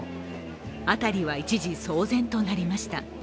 辺りは一時、騒然となりました。